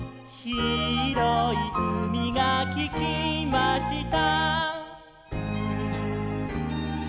「ひろいうみがありました」